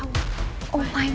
om jojo kelihatan